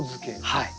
はい。